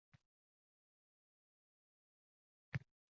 Ota bunday paytda qoni tugul, jonini ham ayamaydi